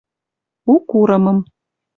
У курымым